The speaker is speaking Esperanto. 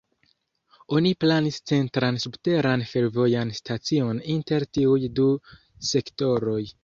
Oni planis centran subteran fervojan stacion inter tiuj du sektoroj.